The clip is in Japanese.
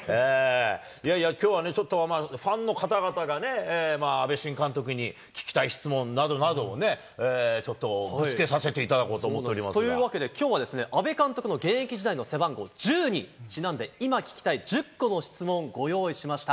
いやいや、きょうはちょっとファンの方々がね、阿部新監督に聞きたい質問などなどをね、ちょっとぶつけさせていというわけで、きょうはですね、阿部監督の現役時代の背番号１０にちなんで、今聞きたい１０個の質問をご用意しました。